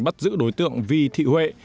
bắt giữ đối tượng vi thị huệ